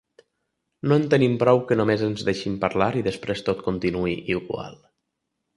No en tenim prou que només ens deixin parlar i després tot continuï igual.